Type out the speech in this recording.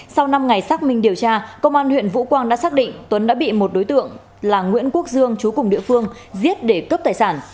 sau năm ngày xác minh điều tra công an huyện vũ quang đã xác định tuấn đã bị một đối tượng là nguyễn quốc dương chú cùng địa phương giết để cướp tài sản